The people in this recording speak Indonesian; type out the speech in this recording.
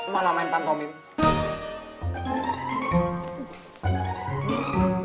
malah main pantomin